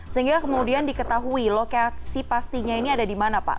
sehingga kemudian diketahui lokasi pastinya ini ada di mana pak